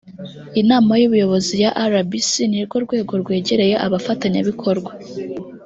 inama y ubuyobozi ya rbc ni rwo rwego rwegereye abafatanya bikorwa